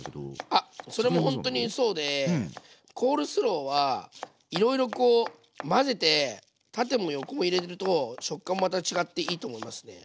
あっそれもほんとにそうでコールスローはいろいろこう混ぜて縦も横も入れると食感もまた違っていいと思いますね。